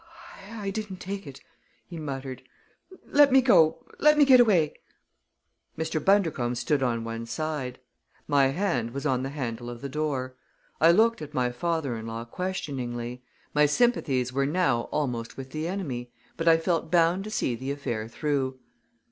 "I didn't take it!" he muttered. "Let me go! Let me get away!" Mr. Bundercombe stood on one side. My hand was on the handle of the door. I looked at my father in law questioningly. My sympathies were now almost with the enemy, but I felt bound to see the affair through.